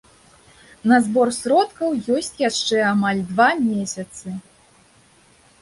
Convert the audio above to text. На збор сродкаў ёсць яшчэ амаль два месяцы.